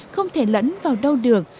không thể lẫn vào đâu được